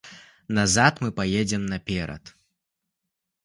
Назад мы паедзем наперад!